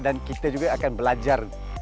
dan kita juga akan belajar